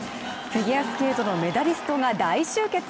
フィギュアスケートのメダリストが大集結！